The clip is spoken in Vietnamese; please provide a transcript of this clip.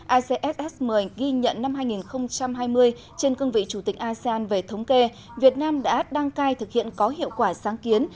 acss một mươi ghi nhận năm hai nghìn hai mươi trên cương vị chủ tịch asean về thống kê việt nam đã đăng cai thực hiện có hiệu quả sáng kiến